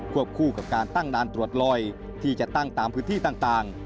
คู่กับการตั้งด่านตรวจลอยที่จะตั้งตามพื้นที่ต่าง